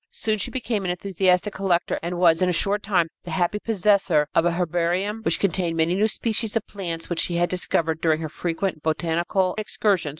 Soon she became an enthusiastic collector and was in a short time the happy possessor of a herbarium which contained many new species of plants which she had discovered during her frequent botanical excursions.